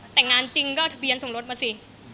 แต่งงานจริงก็ทะเบียนสมรสมาสิ